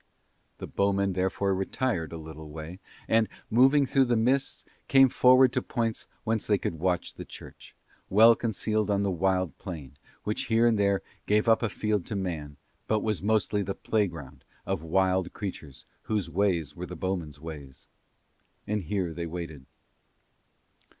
The bowmen therefore retired a little way and, moving through the mists, came forward to points whence they could watch the church, well concealed on the wild plain, which here and there gave up a field to man but was mostly the playground of wild creatures whose ways were the bowmen's ways. And here they waited.